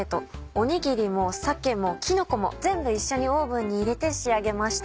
おにぎりも鮭もきのこも全部一緒にオーブンに入れて仕上げました。